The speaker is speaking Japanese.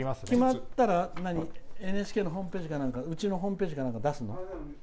決まったらＮＨＫのホームページかうちのホームページかなんか出すの？